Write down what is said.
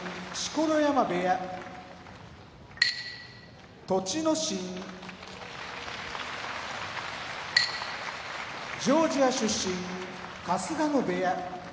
錣山部屋栃ノ心ジョージア出身春日野部屋